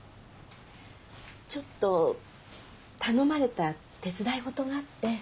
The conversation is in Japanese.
ちょっと頼まれた手伝いごとがあって。